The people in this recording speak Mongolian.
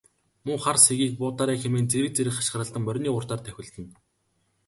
Муу хар сэгийг буудаарай хэмээн зэрэг зэрэг хашхиралдан морины хурдаар давхилдана.